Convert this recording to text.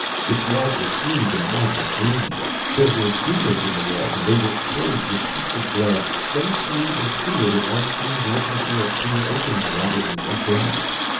"Its walls were smooth and white and gleaming. There were windows in the walls, and they were closed with sheets of glass so smooth and clear that one seemed looking through a clear opening rather than through glass.